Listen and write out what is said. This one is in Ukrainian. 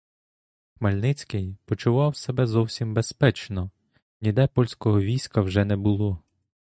Хмельницький почував себе зовсім безпечно, ніде польського війська вже не було.